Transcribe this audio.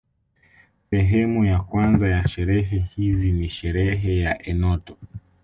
Sehemu ya kwanza ya sherehe hizi ni sherehe ya enoto